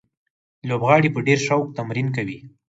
لوبغاړي په ډېر شوق تمرین کوي.